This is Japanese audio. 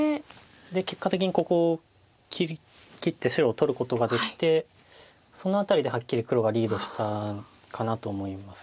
で結果的にここを切って白を取ることができてその辺りではっきり黒がリードしたかなと思います。